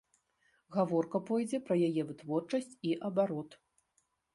Гаворка пойдзе пра яе вытворчасць і абарот.